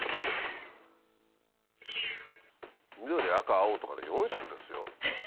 緑赤青とかの４色ですよ。